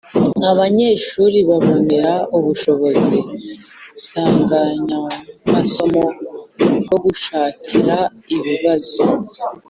abanyeshuri babonera ubushobozi nsanganyamasomo bwo gushakira ibibazo